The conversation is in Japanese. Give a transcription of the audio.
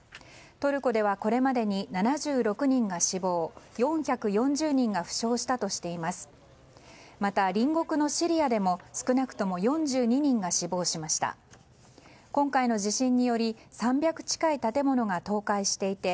トルコではこれまでに７６人が死亡４４０人が負傷したとしています。